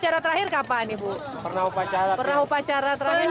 jadi ini baru pertama lagi